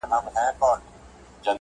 له خاوند څخه هم اخلئ